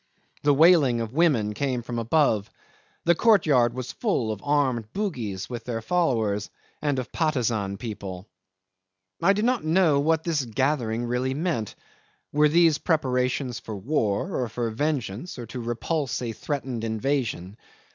The wailing of women came from above. The courtyard was full of armed Bugis with their followers, and of Patusan people. 'I do not know what this gathering really meant. Were these preparations for war, or for vengeance, or to repulse a threatened invasion?